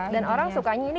dan orang sukanya ini